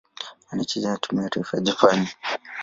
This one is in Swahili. Anachezea timu ya taifa ya Japani.